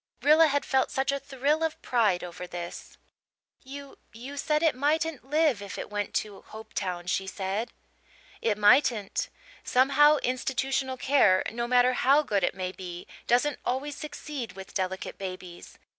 Rilla had felt such a thrill of pride over this. "You you said it mightn't live if it went to Hopetown," she said. "It mightn't. Somehow, institutional care, no matter how good it may be, doesn't always succeed with delicate babies.